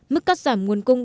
mức cắt giảm nguồn cung